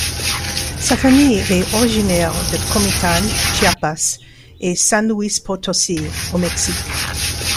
Sa famille est originaire de Comitán, Chiapas et San Luis Potosí au Mexique.